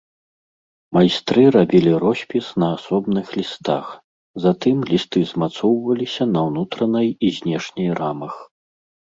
Майстры рабілі роспіс на асобных лістах, затым лісты змацоўваліся на ўнутранай і знешняй рамах.